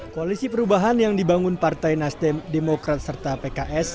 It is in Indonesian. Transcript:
koalisi perubahan yang dibangun partai nasdem demokrat serta pks